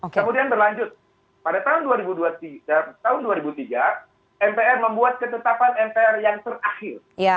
kemudian berlanjut pada tahun dua ribu tiga mpr membuat ketetapan mpr yang terakhir